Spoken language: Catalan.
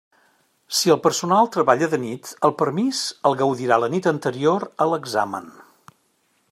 Si el personal treballa de nit, el permís el gaudirà la nit anterior a l'examen.